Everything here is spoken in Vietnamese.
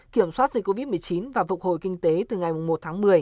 kiểm soát dịch covid một mươi chín và phục hồi kinh tế từ ngày một tháng một mươi